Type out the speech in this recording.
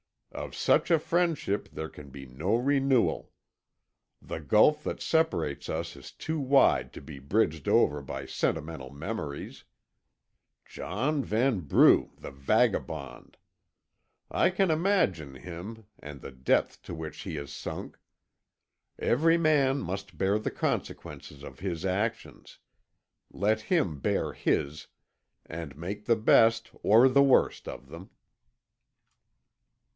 Of such a friendship there can be no renewal. The gulf that separates us is too wide to be bridged over by sentimental memories. John Vanbrugh, the vagabond! I can imagine him, and the depth to which he has sunk. Every man must bear the consequences of his actions. Let him bear his, and make the best, or the worst, of them."